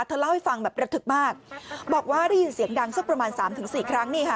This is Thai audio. เล่าให้ฟังแบบระทึกมากบอกว่าได้ยินเสียงดังสักประมาณสามถึงสี่ครั้งนี่ค่ะ